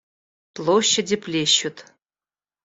Площади плещут.